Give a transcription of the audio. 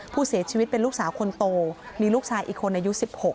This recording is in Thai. ผู้เสียชีวิตเป็นลูกสาวคนโตมีลูกชายอีกคนอายุ๑๖